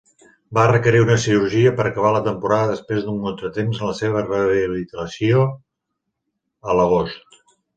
Va requerir una cirurgia per acabar la temporada després d'un contratemps en la seva rehabilitació a l'agost.